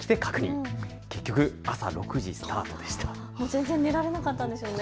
全然寝られなかったんでしょうね。